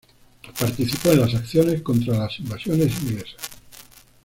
Participó en las acciones contra las Invasiones Inglesas.